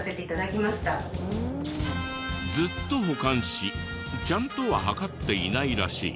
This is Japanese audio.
ずっと保管しちゃんとは測っていないらしい。